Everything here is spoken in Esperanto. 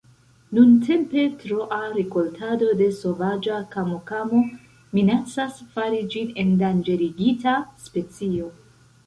Nuntempe troa rikoltado de sovaĝa kamokamo minacas fari ĝin endanĝerigita specio.